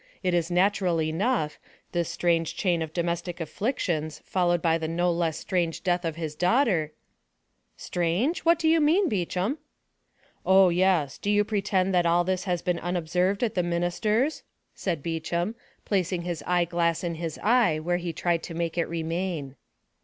It is natural enough; this strange chain of domestic afflictions, followed by the no less strange death of his daughter——" "Strange? What do you mean, Beauchamp?" "Oh, yes; do you pretend that all this has been unobserved at the minister's?" said Beauchamp, placing his eye glass in his eye, where he tried to make it remain.